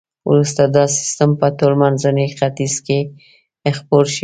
وروسته دا سیستم په ټول منځني ختیځ کې خپور شو.